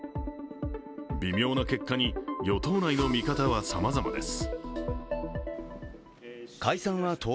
微妙な結果に、与党内の見方はさまざまなです。